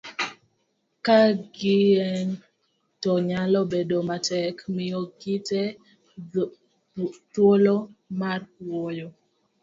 ka ging'eny to nyalo bedo matek miyo gite thuolo mar wuoyo